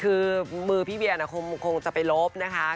คือมือพี่เวียคงจะไปลบนะคะ